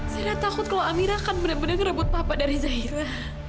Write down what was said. saya takut kalau amira akan benar benar ngerebut papa dari zahila